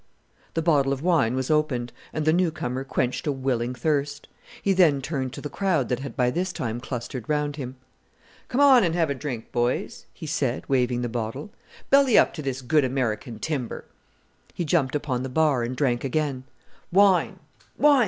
The bottle of wine was opened, and the new comer quenched a willing thirst. He then turned to the crowd that had by this time clustered round him. "Come on and have a drink, boys," he said, waving the bottle. "Belly up to this good American timber." He jumped upon the bar and drank again. "Wine, wine!